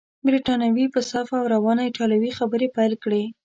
بریتانوي په صافه او روانه ایټالوې خبرې پیل کړې.